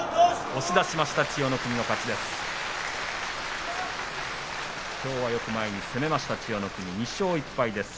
押し出しました千代の国の勝ちです。